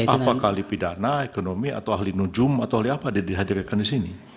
apakah ahli pidana ekonomi atau ahli nujum atau oleh apa dihadirkan di sini